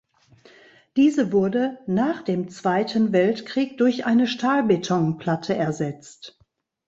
Diese wurde nach dem Zweiten Weltkrieg durch eine Stahlbetonplatte ersetzt.